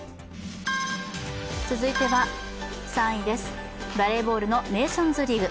続いては３位です、バレーボールのネーションズリーグ。